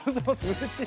うれしい！